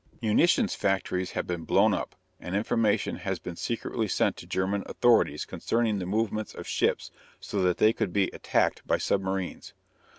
Munition factories have been blown up, and information has been secretly sent to German authorities concerning the movements of ships so that they could be attacked by submarines.